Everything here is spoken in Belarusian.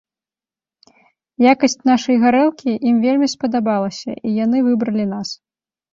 Якасць нашай гарэлкі ім вельмі спадабалася і яны выбралі нас.